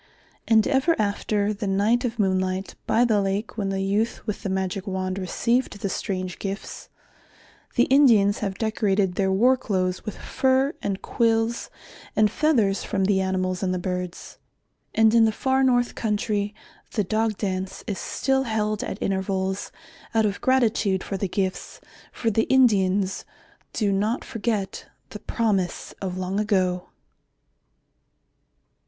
And ever after the night of moonlight by the lake when the youth with the magic wand received the strange gifts, the Indians have decorated their war clothes with fur and quills and feathers from the animals and the birds. And in the far north country, the Dog Dance is still held at intervals out of gratitude for the gifts, for the Indians do not forget the promise of long ago.